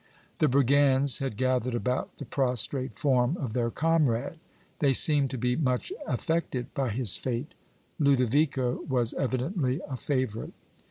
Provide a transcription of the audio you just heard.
The brigands had gathered about the prostrate form of their comrade; they seemed to be much affected by his fate; Ludovico was evidently a favorite.